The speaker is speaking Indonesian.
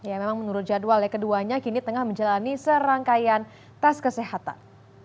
ya memang menurut jadwal ya keduanya kini tengah menjalani serangkaian tes kesehatan